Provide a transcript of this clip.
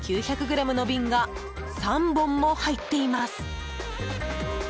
９００ｇの瓶が３本も入っています。